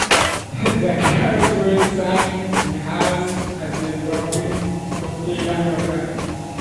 The cars were designed in-house at the prompting of Lee Iacocca.